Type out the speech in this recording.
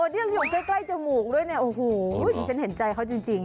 อ๋อที่เรียกใกล้จมูกด้วยนะโอ้โหฉันเห็นใจเขาจริง